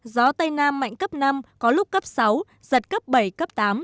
gió tây nam mạnh cấp năm có lúc cấp sáu giật cấp bảy cấp tám